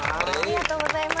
ありがとうございます。